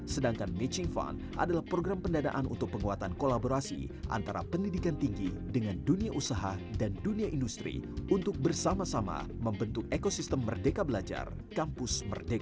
sedangkan matching fund adalah program pendanaan untuk penguatan kolaborasi antara pendidikan tinggi dengan dunia usaha dan dunia industri untuk bersama sama membentuk ekosistem merdeka belajar kampus merdeka